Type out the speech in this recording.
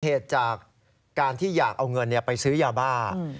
เหตุจากการที่อยากเอาเงินไปซื้อยาบ้า